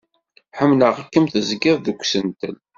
Ḥemmleɣ-kem tezgiḍ deg usentel.